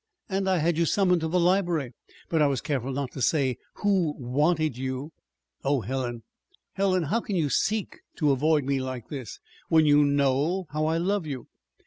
"And I had you summoned to the library but I was careful not to say who wanted you. Oh, Helen, Helen, how can you seek to avoid me like this, when you know how I love you!"